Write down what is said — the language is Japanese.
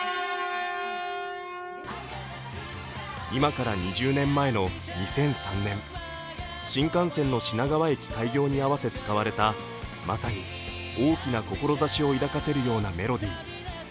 今から２０年前の２００３年、新幹線の品川駅開業に合わせ使われたまさに大きな志を抱かせるようなメロディー。